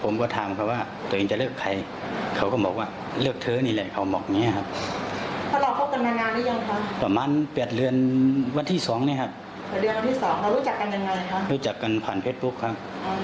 แล้วเราก็รู้ว่าเขามีแฟนแต่เราก็ยังคบ